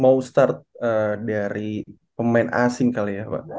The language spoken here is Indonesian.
mau start eee dari pemain asing kali ya